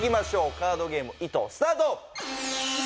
カードゲームｉｔｏスタート！